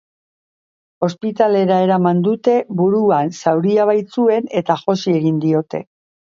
Ospitalera eraman dute buruan zauria baitzuen eta josi egin diote.